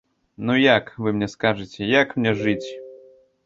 Ну як, вы мне скажыце, як мне жыць?